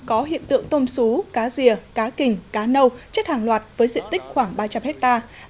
có hiện tượng tôm sú cá rìa cá kình cá nâu chết hàng loạt với diện tích khoảng ba trăm linh hectare